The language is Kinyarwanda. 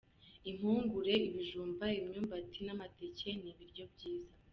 Impungure, ibijumba, imyumbati n’amateke ni ibiryo byiza.